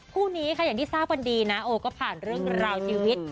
คู่นี้ค่ะอย่างที่ทราบกันดีนะโอก็ผ่านเรื่องราวชีวิต